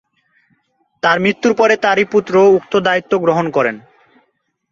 তার মৃত্যুর পরে তারই পুত্র উক্ত দায়িত্ব গ্রহণ করেন।